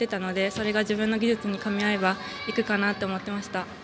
それが自分の技術にかみ合えば行くかなと思っていました。